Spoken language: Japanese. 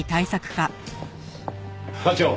課長。